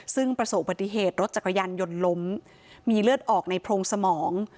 ซึ่งประสบปฏิเหตุรถจักรยานยนต์ล้มมีเลือดออกในโพรงสมอง